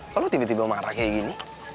kok lu tiba tiba marah kayak gini